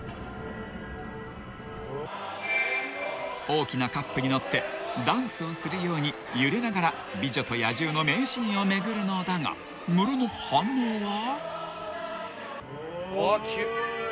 ［大きなカップに乗ってダンスをするように揺れながら『美女と野獣』の名シーンを巡るのだがムロの反応は？］